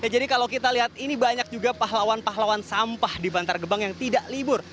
jadi kalau kita lihat ini banyak juga pahlawan pahlawan sampah di bantar gebang yang tidak libur